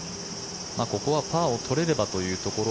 ここはパーを取れればというところ。